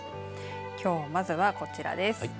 きょう、まずはこちらです。